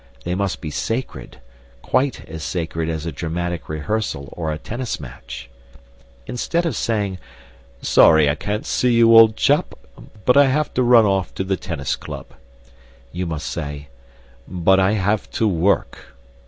They must be sacred, quite as sacred as a dramatic rehearsal or a tennis match. Instead of saying, "Sorry I can't see you, old chap, but I have to run off to the tennis club," you must say, "...but I have to work."